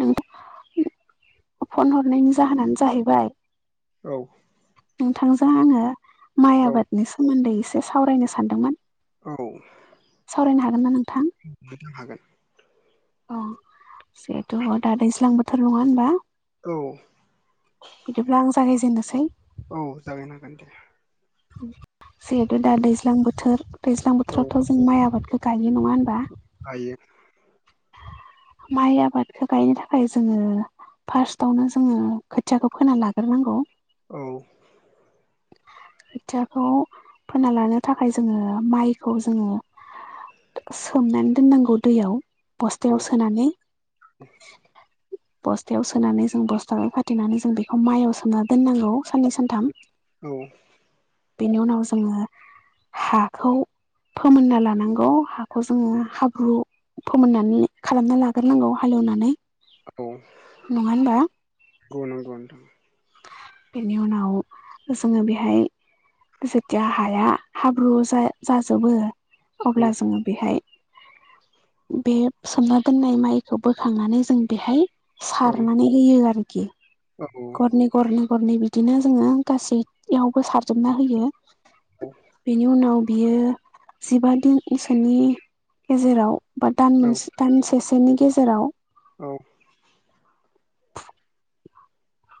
नों [inaudible] फन हरनायनि जाहोनानो जाहैबाय औ नोंथांजों आङो माइ औ आबादनि सोमोन्दै एसे सावरायनो सानदोंमोन औ सावरायनो हागोनना नोंथां अम हागोन अ जेहेथु दा दैज्लां बोथोर नङा होमबा औ बिदिब्ला आं जागायजेननोसै औ जागायनो हागोन दे जिहेथु दा दैज्लां बोथोर दैज्लां औ बोथोरावथ' जों माइ आबादखौ गायो नङा होनबा गायो माइ आबादखो गायनो थाखाय जोङो फार्स्टआवनो जोङो खोथियाखौ फोना लाग्रोनांगौ औ खोथियाखौ फोना लानो थाखाय जोङो माइखौ जोङो सोमनानै दोननांगौ दैयाव औ बस्थायाव सोनानै [inaudible] बस्थायाव सोनानै जों बस्थखौ खाथेनानै जों बेखौ माइआव सोमनानै दोननांगौ साननै सानथाम औ बेनि उनाव जोङो हाखौ फोमोनना लानांगौ हाखौ जोङो हाब्रु फोमोननानै खालामना लाग्रोनांगौ हालेवनानै औ नङा होनबा गौ नंगौ नोंथां बेनि उनाव जोङो बेहाय जेथिया हाया हाब्रु जा-जाजोबो औ अब्ला जोङो बेहाय बे सोमना दोननाय माइखौ बोखांनानै जों बेहाय सारनानै होयो आरोखि औ गरनै गरनै-गरनै बिदिनो जोङो गासैयावबो सारजोबना होयो बेनि उनाव बियो जिबा दिनसोनि गेजेराव बा दान औ मोनसे दानसेसोनि गेजेराव औ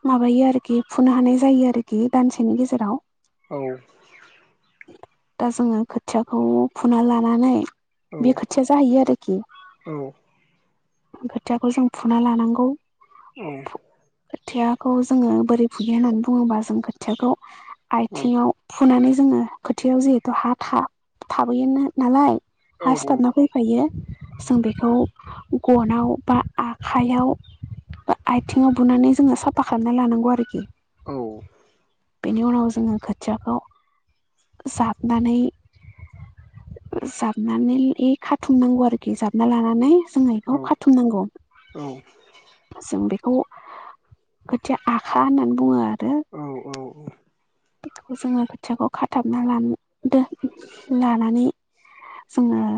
माबायो आरोखि फुनो हानाय जायो आरोखि दानसेनि गेजेराव। औ दा जोङो खोथियाखौ फुना लानानै। औ बे खोथिया जाहैयो आरोखि। औ उम खोथियाखौ जों फुना लानांगौ अम खोथियाखौ जोङो बोरै फुयो होननानै बुङोबा जों खोथियाखौ आयथिङाव। फुनानै जोङो खोथियाव जिहेथु हा था थाबोयो नालाय। हा सिथाबना फैफायो औ जों बेखौ। गनाव बा आखाययाव बा आथिङाव बुनानै जोङो साफा खालामना लानांगौ आरोखि। औ बेनि उनाव जोङो खोथियाखौ। जाबनानै। जाबनानै ए खाथुमनांगौ आरोखि जाबना लानानै। औ [inaudible] खाथुमनांगौ। जों बेखौ खोथिया आखा होननानै बुङो आरो। औ औ बेखौ जोङो खोथियाखौ खाथाबना ला दो लानानै जोङो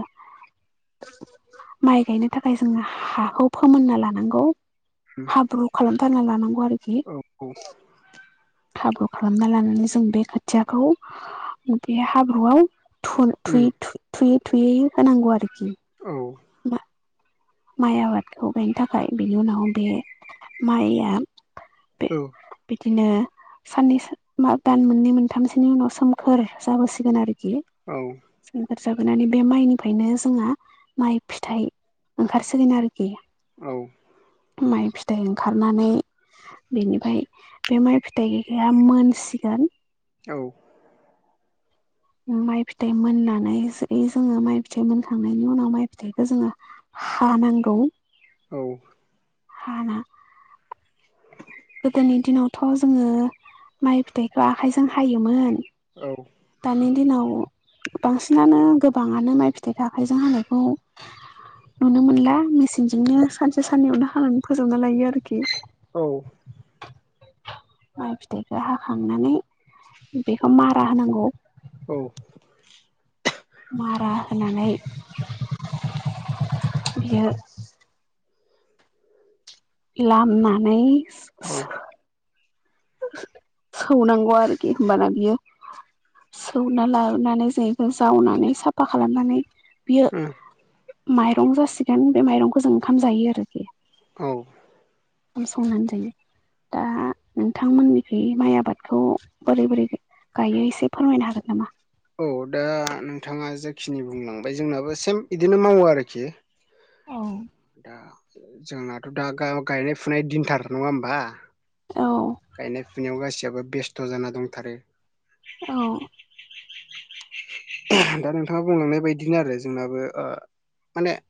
माइ गायनो थाखाय जोङो हाखौ फोमोनना लानांगौ। [inaudible] हाब्रु खालामथारना लानांगौ आरोखि हाब्रु खालामना लानांगौ। जों बे खोथियाखौ बे हाब्रुआव थु थुयै। थुयै थुयै होनांगौ आरोखि। औ दा माइ आबादखौ गायनो थाखाय बिनि उनाव बे माइया। औ बिदिनो। साननै दान मोननै मोनथामसोनि उनाव सोमखोर जाबोसिगोन आरोखि। औ जाबोनानै बे माइनिफ्रायनो जोंहा माइ फिथाइ। ओंखारसिगोन आरोखि। औ। माइ फिथाइ ओंखारनानै। बेनिफ्राय बे माइ फिथाइआ मोनसिगोन औ माइ फिथाइ मोननानै जोङो माइ फिथाइ मोनखांनायनि उनाव माइ फिथाइखौ जोङो। हानांगौ। औ। हाना। गोदोनि दिनावथ' जोङो माइ फिथाइखौ आखाइजों हायोमोन औ दानि दिनाव बांसिनानो गोबाङानो माइ फिथाइ आखाइजों हानायखौ। नुनो मोनला मेसिनजोंनो सानसे साननैयावनो हानानै फोजोबना लायो आरोखि। औ। माइ फिथायखौ हाखांनानै बेखौ मारा होनांगौ। औ। मारा होनानै बियो लामनानै औ। सौनांगौ आरोखि होनबाना बियो सौना लाबोनानै जों बेखौ जावनानै साफा खालामनानै बियो औ माइरं जासिगोन बे माइरंखौ जों ओंखाम जायो आरोखि। औ। ओंखाम संनानै जायो दा नोंथांमोननिखै माइ आबादखौ बोरै बोरै गायो एसे फोरमायनो हागोन नामा औ दा नोंथाङा जेखिनि बुंलांबाय जोंनाबो सेम बिदिनो मावो आरोखि औ दा जोंनाथ' दा गायनाय फुनाय दिनथार नङा होमबा! औ गायनाय फुनायाव गासियाबो बेस्थ' जाना दंथारो। औ। दा नोंथाङा बुंलांनाय बायदिनो आरो जोंनाबो ओ माने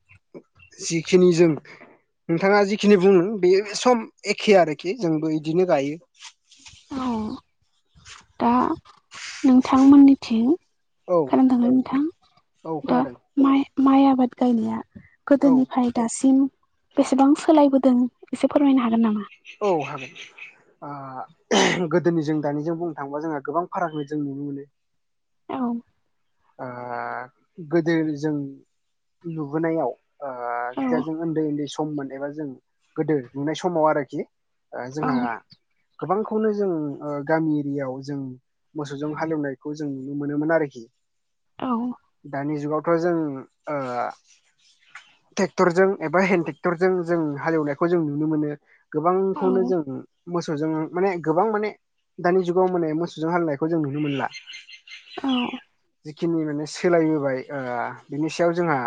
जिखिनि जों नोंथाङा जिखिनि बुङो बे सम एखे आरोखि जोंबो बिदिनो गायो। औ दा नोंथांमोननिथिं औ खोनादोंना नोंथां? औ दा खोनादों माइ माइ आबाद गायनाया औ गोदोनिफ्राय दासिम बेसेबां सोलायबोदों एसे फोरमायनो हागोन नामा? औ हागोन। ओ गोदोनि जों दानिजों बुंनो थाङोबा जोंहा गोबां फाराग जों नुनो मोनो। औ। ओ गोदो जों नुबोनायाव ओ औ जिथिया जों उन्दै उन्दै सममोन एबा जों गोदो नुनाय समाव आरोखि ओ औ जोंहा गोबांखौनो जों गामि एरियायाव जों मोसौजों हालेवनायखौ जों नुनो मोनोमोन आरोखि औ दानि जुगाव थ' जों ओ ट्रेक्टरजों एबा हेन्द ट्रेक्टरजों जों हालेवनायखौ जों नुनो मोनो। औ गोबांखौनो जों मोसौजों माने गोबां माने दानि जुगाव माने मोसौजों हालेवनायखौ जों नुनो मोनला। औ जिखिनि माने सोलायबोबाय बिनि सायाव जोंहा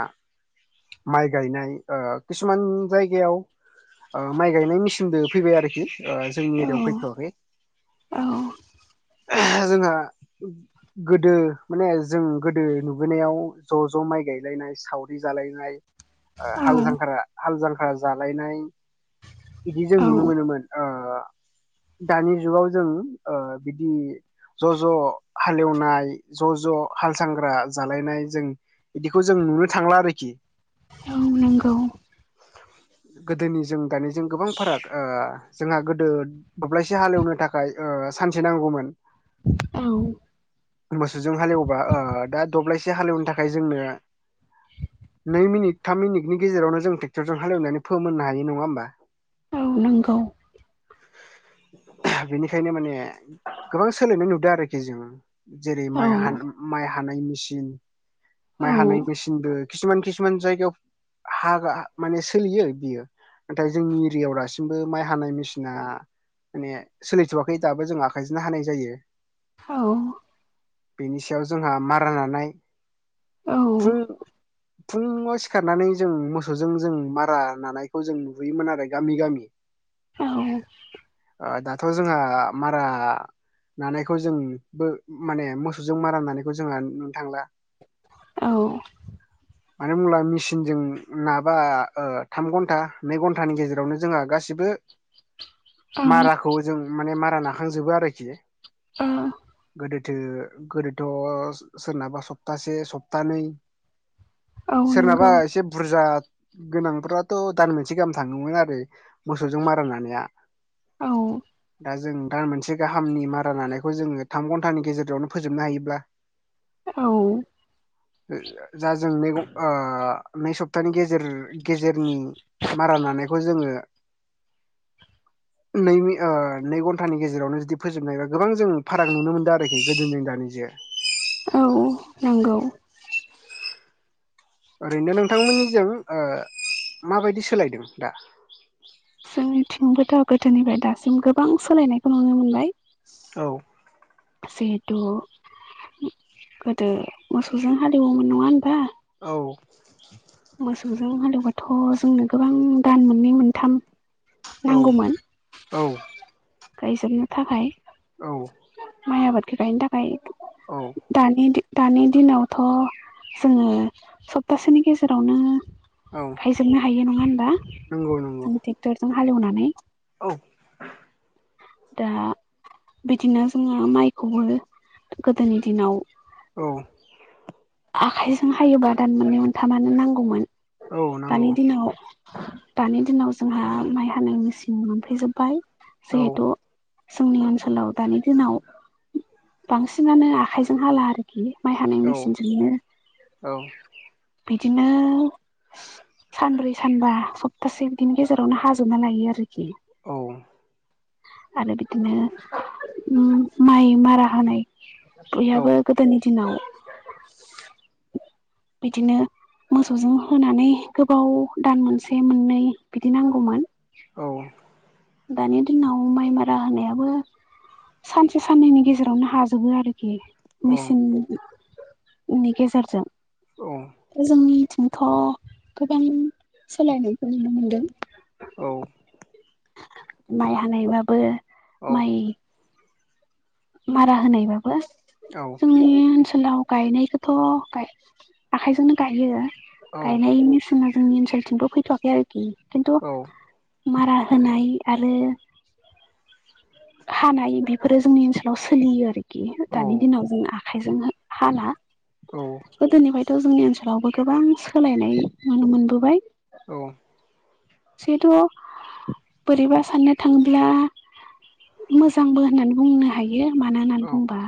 माय गायनाय ओ किसुमान जायगायाव माइ गायनाय मिसिन बो फैबाय आरोखि ओ जोंनि एरियायाव फैथवाखै औ जोंहा गोदो माने जों गोदो नुबोनायाव ज' ज' माइ गायलायनाय सावरि जालायनाय ओ औ हाल जांख्रा जालायनाय बिदि जों औ नुनो मोनो मोन ओ दानि जुगाव जों ओ बिदि ज' ज' हालेवनाय ज' ज' हाल जांख्रा जालायनाय जों बिदिखौ जों नुनो थांला आरोखि। औ नंगौ। गोदोनि जों दानिजों गोबां फाराग ओ जोंहा गोदो दब्लायसे हालेवनो थाखाय ओ सानसे नांगौमोन। औ। मोसौजों हालेवबा ओ दा दब्लायसे हालेवनो थाखाय जोंनो नै मिनिट थाम मिनिटनि गेजेरावनो जों ट्रेक्टरजों हालेवनानै फोमोन हायो नङा होमबा! औ नोंगौ। बेनिखायनो माने गोबां सोलायनाय नुदों आरोखि जोङो। जेरै औ माइ हानाय मेसिन। औ माइ हानाय मेसिनबो खिसुमान खिसुमान जायगायाव। हाग्रा माने सोलियो बियो नाथाय जोंनि। दासिमबो माइ हानाय मेसिना। माने सोलिथ'आखै दाबो जों आखाइजोंनो हानाय जायो। औ। बेनि सायाव जोंहा मारा नानाय औ फुं फुङाव सिखारनानै जों मोसौजों जों मारा नानायखौ जों नुबोयोमोन आरो। गामि गामि औ ओ दाथ' जोंहा मारा नानायखौ जोंबो माने मोसौजों मारा नानायखौ जोंहा नुनो थांला। औ। मानो होमब्ला मेसिनजों नाबा ओ थाम घन्टा नै घन्टानि गेजेर जोंहा गासिबो औ माराखौ जों माने मारा नाखांजोबो आरोखि। अ। गोदोथो गोदोथ' सोरनाबा सप्तासे सप्तानै औ सोरनाबा नंगौ एसे बुरजा गोनांफ्राथ' दान मोनसे गाहाम थाङोमोन आ रो मोसौजों मारा नानाया। औ। दा जों दा मोनसे गाहामनि मारा लानायखौ जोङो थाम घन्टानि गेजेरावनो फोजोबनो हायोब्ला औ [unintelligible] जों नै आ नै सप्तानि गेजे गेजेरनि मारा नानाय खौ जोङो नैनि ओ नै घन्टानि गेजेरावनो जुदि फोजोबनो हायोबा गोबां जों फाराग नुनो मोनदों आरोखि गोदोनिजों दानिजों। औ ओ नंगौ। ओरैनो नोंथांमोननिजों ओ माबायदि सोलायदों दा? जोंनिथिंबो दा गोदोनिफ्राय दासिम गोबां सोलायनायखौ नुनो मोनबाय। औ। जिहेथु गोदो मोसौजों हालेमोन नङा होनबा। औ। मोसौजों हालेवबाथ' जोंनो गोबां दान मोननै मोनथाम औ नांगौमोन गायजोबनो थाखाय। औ। माय आबादखौ गायनो थाखाय। औ दानि दि दानि दिनावथ' जोङो सप्तासेनि गेजेरावनो औ गायजोबनो हायो नङा होनबा। नंगौ नंगौ ट्रेक्टरजों हालेवनानै औ। दा बिदिनो जोङो माइखौबो गोदोनि दिनाव औ। आखाइजों हायोबा दान मोननै मोनथामानो नांगौमोन। औ नों दानि दिनाव दानि दिनाव जोंहा माइ हानाय मेचिन मोनफैजोबबाय। औ जिहेथु जोंनि ओनसोलाव दानि दिनाव बांसिनानो आखायजों हाला आरोखि माइ हानाय औ मेसिनजोंनो बिदिनो सानब्रै सानबा सप्तासे बिदिनि गेजेरावनो हाजोबना लायो आरोखि। औ। आरो बिदिनो उम माइ मारा होनाय बयहाबो औ गोदोनि दिनाव [inaudible] बिदिनो मोसौजों होनानै गोबाव दान मोनसे मोननै बिदि नांगौमोन। औ दानि दिनाव माइ मारा होनायाबो सानसे साननैनि गेजेरावनो हाजोबो आरोखि औ मेचिन नि गेजेरजों औ जोंनिथिंथ' गोबां सोलायनायखौ नुनो मोनदों औ माइ हानायबाबो माइ मारा होनायबाबो। औ जोंनि ओनसोलाव गायनायखौथ' गाय आखाइजोंनो गायो गायनाय मेसेना जोंनि ओनसोलथिंथ' फैथवाखै आरोखि खिन्थु मारा होनाय आरो हानाय बेफोरो जोंनि ओनसोलाव सोलियो आरो खि दानि दिनाव जों आखाइजों हाला गोदोनिफ्रायथ' जोंनि ओनसोलावबो गोबां सोलायनाय नुनो मोनबोबाय। औ सैथ बोरैबा साननो थाङोब्ला। मोजांबो होननानै बुंनो हायो मानो होननानै बुंबा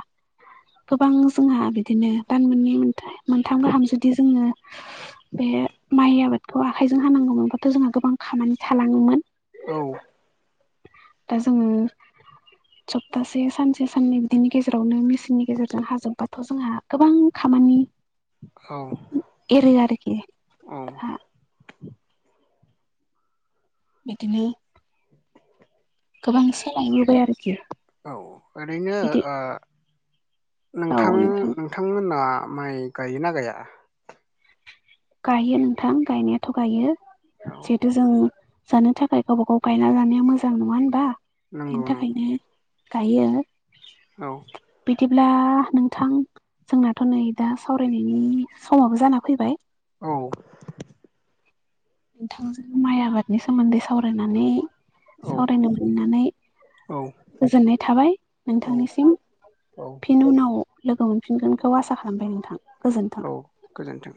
गोबां जोंहा बिदिनो दान मोननै मोनथ मोनथाम गाहाम जुदि जोङो। बे माइ आबादखौ आखाइजों हानांगौमोनब्लाथ' जोंहा गोबां खामानि थालाङोमोन। औ दा जोंङो सप्तासे सानसे साननै बिदिनि गेजेरावनो मेसेनि गेजेरजों हाजोबबाथ' जोंहा गोबां खामानि औ एरो आरोखि औ औ। जोंहा बिदिनो गोबां सोलांबोबाय आरोखि औ ओरैनो बिदि ओ नोंथां नोंथांमोनहा माइ गायोना गाया? गायो नोंथां गायनायाथ' गायो औ जिहेथु जों जानो थाखाय गावबा गाव गायना मोजां नङा होनबा बेनि नंगौ नंगौ थाखायनो गायो। औ बिदिब्ला नोंथां जोंनाथ' नै दा सावरायनायनि समाबो जाना फैबाय। औ नोंथांजों माइ आबाद बिनि सोमोन्दै सावरायनानै औ सावरायनो मोननानै। औ गोजोननाय थाबाय औ नोंथांनिसिम औ फिनि उनाव लोगो मोनफिनगोनखौ आसा खालामबाय नोंथां गोजोनथों। औ गोजोन्थों